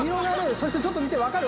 そしてちょっと見て分かる？